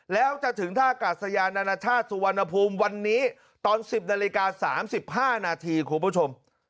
แล้วจะถึงท่ากาศยานานาชาติสุวรรณภูมิวันนี้ตอน๑๐นาฬิกา๓๕นาทีคุณผู้ชม